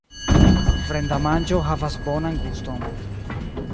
Fremda manĝo havas bonan guston.